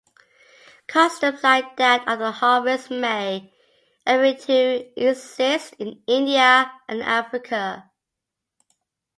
Customs like that of the Harvest-May appear to exist in India and Africa.